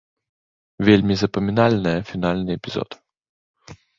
Вельмі запамінальная фінальны эпізод.